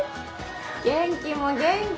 元気も元気。